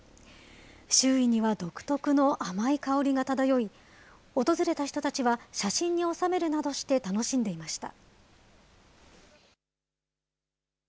周囲には独特の甘い香りが漂い、訪れた人たちは写真に収めるなどして楽しんでいました。